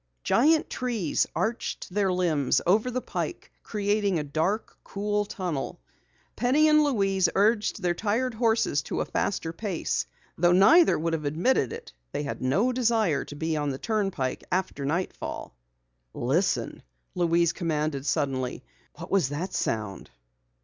Giant trees arched their limbs over the pike, creating a dark, cool tunnel. Penny and Louise urged their tired horses to a faster pace. Though neither would have admitted it, they had no desire to be on the turnpike after nightfall. "Listen!" Louise commanded suddenly. "What was that sound?"